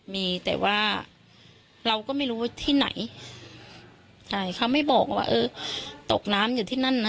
มีแต่ว่าเราก็ไม่รู้ว่าที่ไหนใช่เขาไม่บอกว่าเออตกน้ำอยู่ที่นั่นนะ